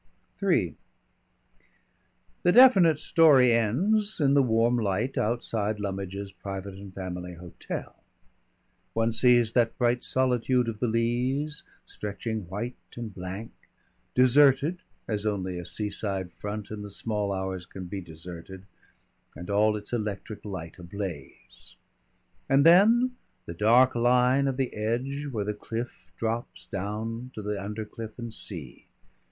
_" III The definite story ends in the warm light outside Lummidge's Private and Family Hotel. One sees that bright solitude of the Leas stretching white and blank deserted as only a seaside front in the small hours can be deserted and all its electric light ablaze. And then the dark line of the edge where the cliff drops down to the undercliff and sea.